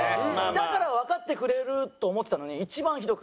だからわかってくれると思ってたのに一番ひどく。